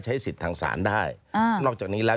ใช้สิทธิ์ทางศาลได้นอกจากนี้แล้ว